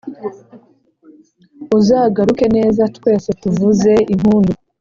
uzagaruke neza twese tuvuze impundu